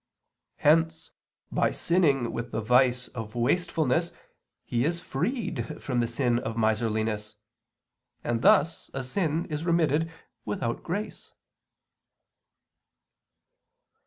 Hence by sinning with the vice of wastefulness he is freed from the sin of miserliness. And thus a sin is remitted without grace.